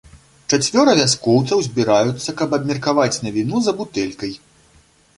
Чацвёра вяскоўцаў збіраюцца каб абмеркаваць навіну за бутэлькай.